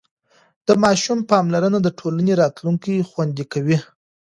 د ماشوم پاملرنه د ټولنې راتلونکی خوندي کوي.